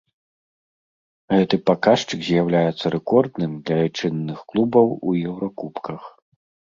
Гэты паказчык з'яўляецца рэкордным для айчынных клубаў у еўракубках.